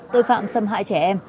tội phạm xâm hại trẻ em